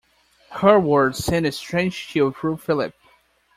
Her words sent a strange chill through Philip.